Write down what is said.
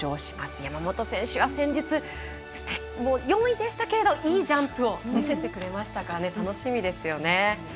山本選手は先日４位でしたけれどいいジャンプを見せてくれましたから楽しみですよね。